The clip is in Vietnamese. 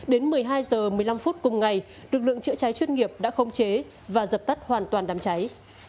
đến một mươi hai h một mươi năm phút cùng ngày lực lượng chữa cháy chuyên nghiệp đã không chế và dập tắt hoàn toàn đám cháy